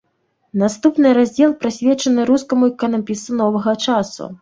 Наступны раздзел прысвечаны рускаму іканапісу новага часу.